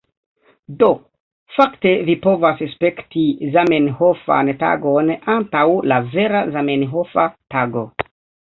Do, fakte vi povas spekti Zamenhofan Tagon antaŭ la vera Zamenhofa Tago.